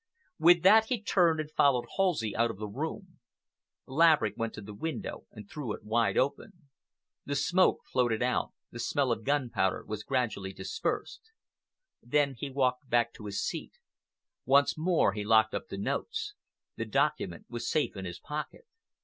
With that he turned and followed Halsey out of the room. Laverick went to the window and threw it wide open. The smoke floated out, the smell of gunpowder was gradually dispersed. Then he walked back to his seat. Once more he locked up the notes. The document was safe in his pocket.